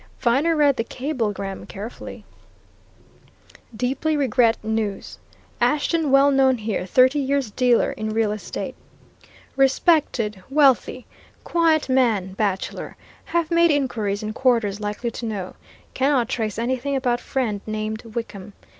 Viner read the cablegram carefully: Deeply regret news. Ashton well known here thirty years dealer in real estate. Respected, wealthy. Quiet man, bachelor. Have made inquiries in quarters likely to know. Cannot trace anything about friend named Wickham.